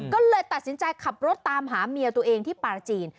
ก็เลยตัดสินใจขับรถตามหาเมียตัวเองที่ปลาจีน